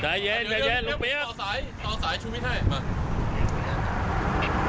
ใจเย็นต่อสายชุมิ้นให้